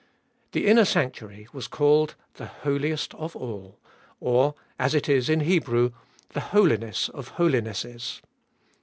The inner sanctuary was called the Holiest of All, or, as it is in Hebrew, the Holiness of Holinesses.